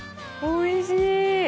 おいしい！